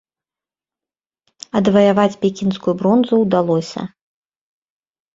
Адваяваць пекінскую бронзу ўдалося.